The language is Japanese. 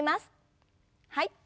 はい。